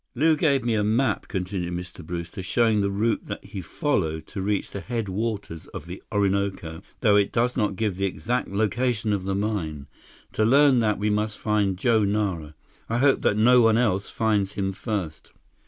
"Lew gave me a map," continued Mr. Brewster, "showing the route that he followed to reach the headwaters of the Orinoco, though it does not give the exact location of the mine. To learn that, we must find Joe Nara. I hope that no one else finds him first."